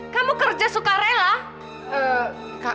kamu kerja sukarela